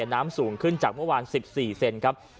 น้ำสูงขึ้นจากเมื่อวาน๑๔เซนครับ